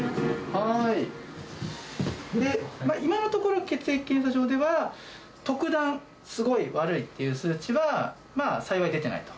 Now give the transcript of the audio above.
今のところ、血液検査上では、特段、すごい悪いっていう数値は幸い出てないと。